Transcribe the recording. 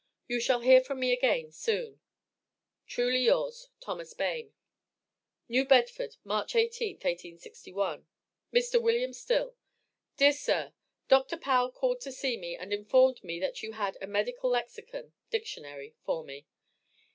You shall hear from me again soon. Truly Yours, THOS. BAYNE. NEW BEDFORD, March 18th, 1861. Mr. Wm. Still: Dear Sir Dr. Powell called to see me and informed me that you had a medical lexicon (Dictionary) for me.